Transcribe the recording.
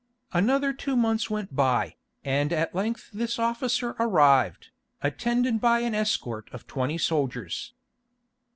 Another two months went by, and at length this officer arrived, attended by an escort of twenty soldiers.